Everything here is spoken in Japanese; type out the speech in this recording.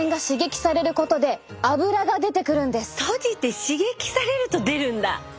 閉じて刺激されると出るんだ。